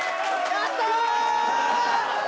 やったー！